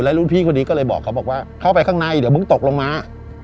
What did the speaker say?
รุ่นพี่คนนี้ก็เลยบอกเขาบอกว่าเข้าไปข้างในเดี๋ยวมึงตกลงมา